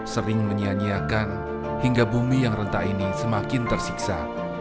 sering menyianyiakan hingga bumi yang rentah ini semakin tersiksa